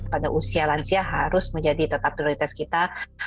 pada usia lansia harus menjadi tetap prioritas kita